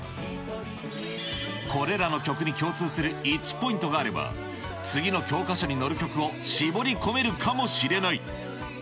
これらの曲に共通するイッチポイントがあれば、次の教科書に載る曲を絞り込めるかもしれない。